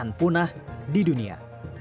rentan punah di dunia